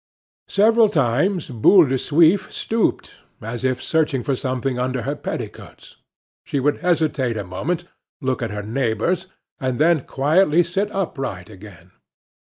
Several times Boule de Suif stooped, as if searching for something under her petticoats. She would hesitate a moment, look at her neighbors, and then quietly sit upright again.